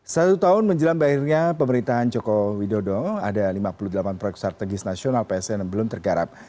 satu tahun menjelang berakhirnya pemerintahan joko widodo ada lima puluh delapan proyek strategis nasional psn yang belum tergarap